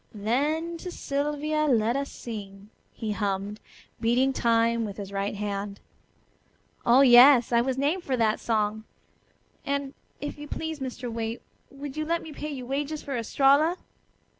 'Then to Sylvia let us sing,'" he hummed, beating time with his right hand. "Oh, yes, I was named for that song. And, if you please, Mr. Waite, would you let me pay you wages for Estralla?"